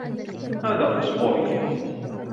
هذا اصبعي.